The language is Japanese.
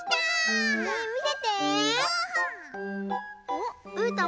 おっうーたん